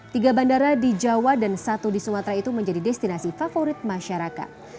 tiga bandara di jawa dan satu di sumatera itu menjadi destinasi favorit masyarakat